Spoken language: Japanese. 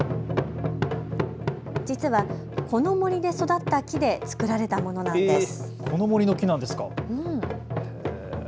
実はこの森で育った木で作られたものなんです。